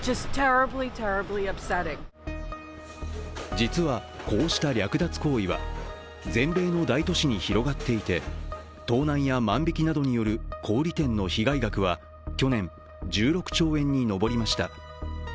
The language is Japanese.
実はこうした略奪行為は全米の大都市に広がっていて盗難や万引きなどによる小売店の被害額は去年、１６兆円に上りました。